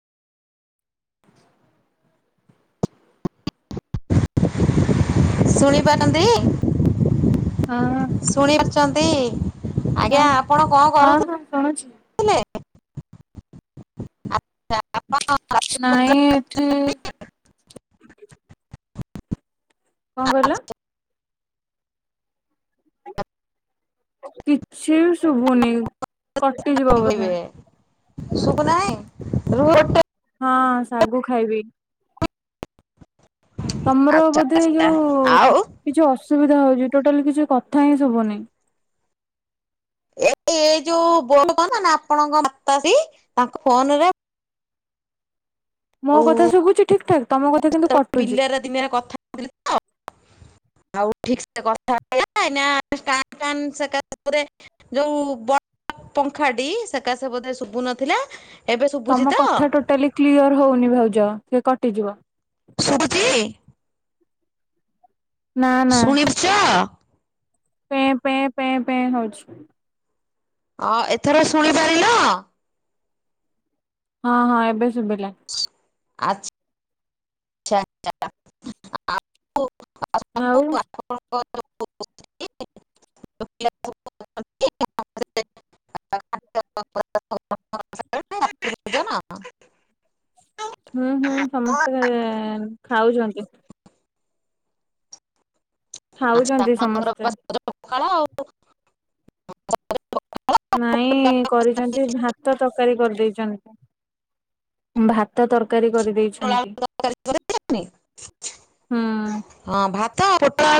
ଶୁଣିପାରନ୍ତି, ହଁ ଶୁଣି ପାରୁଛନ୍ତି। ହଁ ଆଜ୍ଞା ଆପଣ କଣ କରୁ ହଁ ହଁ ଶୁଣୁଛି ଥିଲେ। [inaudible] ନାଇଁ ଏଠି। କଣ କହିଲ? କିଛି ବି ଶୁଭୁନି। କଟିଯିବ ବୋଧେ [unintelligible] ଶୁଭୁ ନାହିଁ ରୁହ ଗୋଟେ ହଁ ଶାଗୁ ଖାଇବି। ତମର ଆଚ୍ଛା ବୋଧେ ଆଚ୍ଛା ଯୋଉ ଆଉ କିଛି ଅସୁବିଧା ହଉଛି ଟୋଟାଲି କିଛି କଥା ହିଁ ଶୁଭୁନି। ଏ ଏଇ ଯୋଉ ବୋଉ କ ନା ନା ଆପଣଙ୍କ ମାତାଶ୍ରୀ ତାଙ୍କ ଫୋନରେ ମୋ ଆଉ କଥା ଶୁଭୁଛି ଠିକ ଠାକ ତମ କଥା କିନ୍ତୁ କଟୁଛି। ବିଲରେ ଦିନରେ କଥା [unintelligible] [unintelligible] ଯୋଉ ବଡ ପଙ୍ଖାଟି ସେକା ସେ ବୋଧେ ଶୁଭୁ ନଥିଲା। ଏବେ ଶୁଭୁଛି ତମ ତ କଥା ଟୋଟାଲି କ୍ଲିୟର ହଉନି ଭାଉଜ ଏ କଟିଯିବ। ଶୁଭୁଛି। ନା ନା ଶୁଣିପାରୁଛ। ପେଁ ପେଁ ପେଁ ପେଁ ହଉଛି। ଅ ଏଥର ଶୁଣି ପାରିଲ। ହଁ ହଁ ଏବେ ଶୁଭିଲା। ଆଚ୍ଛା। ଆଉ [inaudible] [inaudible] [inaudible] [unintelligible] ହୁଁ ହୁଁ ସମସ୍ତେ ଖାଉଛନ୍ତି। ଆଛା ଖାଉଛନ୍ତି [unintelligible] ସମସ୍ତେ ପଖାଳ ଆଉ। ନାଇଁ କରିଛନ୍ତି ଭାତ ତରକାରୀ କରିଦେଇଛନ୍ତି। ଭାତ ତରକାରୀ କରିଦେଇ [unintelligible] ହୁଁ। ହଁ ଭାତ ପୋଟଳ ଆଉ